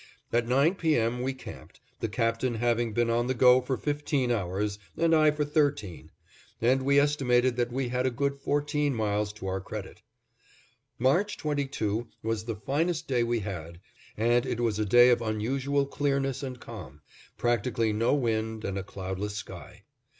At nine P. M. we camped, the Captain having been on the go for fifteen hours, and I for thirteen; and we estimated that we had a good fourteen miles to our credit. March 22 was the finest day we had, and it was a day of unusual clearness and calm; practically no wind and a cloudless sky.